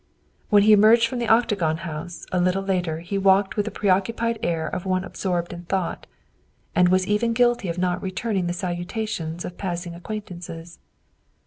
When he emerged from the Octagon House a little later he walked with the preoccupied air of one absorbed in thought, and was even guilty of not returning the salutations of passing acquaintances.